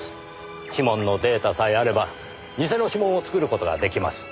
指紋のデータさえあれば偽の指紋を作る事が出来ます。